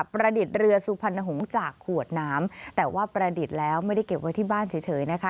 ประดิษฐ์เรือสุพรรณหงษ์จากขวดน้ำแต่ว่าประดิษฐ์แล้วไม่ได้เก็บไว้ที่บ้านเฉยนะคะ